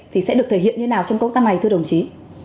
thì sẽ được thể hiện như thế nào trong công tác này thưa đồng chí